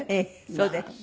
そうです。